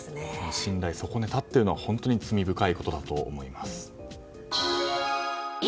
信頼を損ねたというのは罪深いことだと思います。